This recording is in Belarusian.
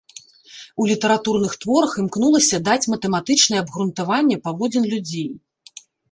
У літаратурных творах імкнулася даць матэматычнае абгрунтаванне паводзін людзей.